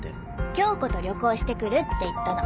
恭子と旅行して来るって言ったの。